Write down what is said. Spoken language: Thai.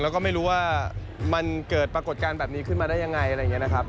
แล้วก็ไม่รู้ว่ามันเกิดปรากฏการณ์แบบนี้ขึ้นมาได้ยังไงอะไรอย่างนี้นะครับ